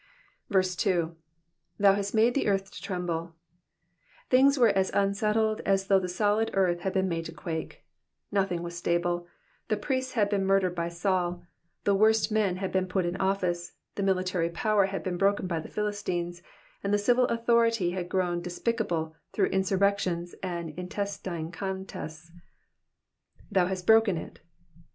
2. Thou hast made the earth to trembled Things were as unsettled as though the solid earth had been made to quake ; nothing was stable ; the priests had been murdered by Saul, the worst men had been put in ofiice, the military Sower had been broken by the Philistines, and the civil authority had grown espicable through insurrections and intestine contests. '''•Thou hast h'oken it.'